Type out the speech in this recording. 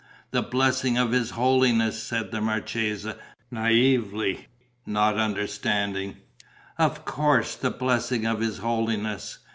"The blessing of his holiness," said the marchesa, naïvely, not understanding. "Of course: the blessing of his holiness